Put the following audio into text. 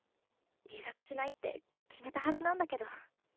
留学しないって決めたはずなんだけど。